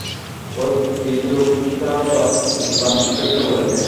ওই বৃদ্ধ লোকটা তোর কানে কিছু একটা বলেছে।